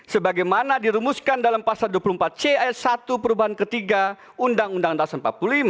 sebagaimana dirumuskan dalam pasal dua puluh empat c ayat satu perubahan ketiga undang undang dasar empat puluh lima